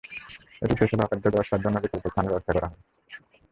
এটি শেষ হলে হকারদের ব্যবসার জন্য বিকল্প স্থানের ব্যবস্থা গ্রহণ করা হবে।